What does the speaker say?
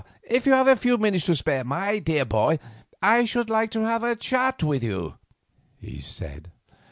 "If you have a few minutes to spare, my dear boy, I should like to have a chat with you," he said.